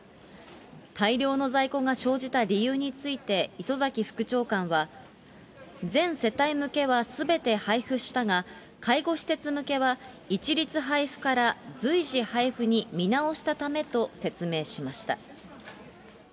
大量の在庫が生じた理由について、磯崎副長官は、全世帯向けはすべて配布したが、介護施設向けは一律配布から随時配布に見直したためと説明しました。